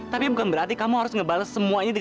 tapi bukan berarti kamu harus berpikir tentang saya sendiri